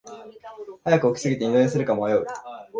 早く起きすぎて二度寝するか迷う